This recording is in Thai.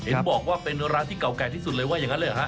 เห็นบอกว่าเป็นร้านที่เก่าแก่ที่สุดเลยว่าอย่างนั้นเลยเหรอฮะ